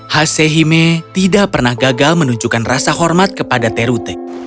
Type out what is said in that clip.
hasehime tidak pernah gagal menunjukkan rasa hormat kepada terutek